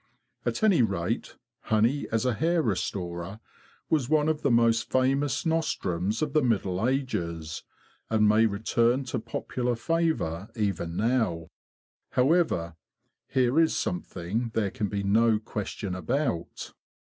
At any rate, honey as a hair restorer was one of the most famous nostrums of the Middle Ages, and may return to popular favour even now. However, there is something there can be no question about."